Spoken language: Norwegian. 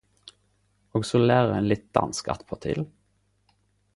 Og så lærer ein litt dansk attpå til!